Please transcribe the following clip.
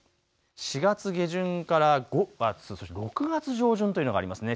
４月下旬から５月、そして６月上旬というのがありますね。